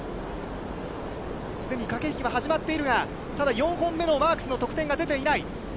すでに駆け引きは始まっているが、ただ、４本目のマークスの得点が出ていない。